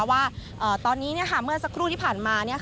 ว่าตอนนี้เมื่อสักครู่ที่ผ่านมา